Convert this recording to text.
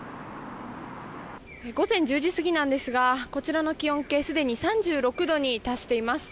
午前１０時過ぎなのですがこちらの気温計すでに３６度に達しています。